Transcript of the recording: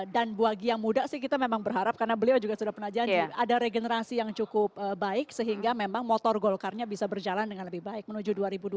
dan buagi yang muda sih kita memang berharap karena beliau juga sudah pernah janji ada regenerasi yang cukup baik sehingga memang motor gokarnya bisa berjalan dengan lebih baik menuju dua ribu dua puluh empat